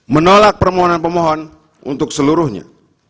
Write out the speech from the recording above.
menolak permohonan pemohon untuk seluruhnya